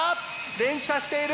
連射している。